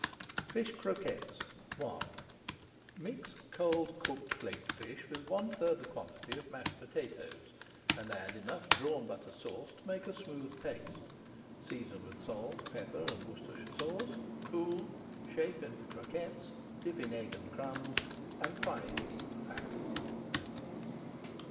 FISH CROQUETTES I Mix cold cooked flaked fish with one third the quantity of mashed potatoes and add enough Drawn Butter Sauce to make a smooth paste, season with salt, pepper, and Worcestershire, cool, shape into [Page 462] croquettes, dip in egg and crumbs, and fry in deep fat.